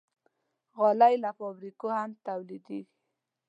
غالۍ له فابریکو هم تولیدېږي.